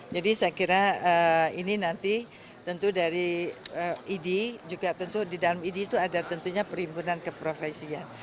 jadi saya kira ini nanti tentu dari idi di dalam idi itu ada tentunya perhimpunan keprofesian